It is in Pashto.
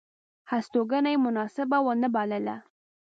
هستوګنه یې مناسبه ونه بلله.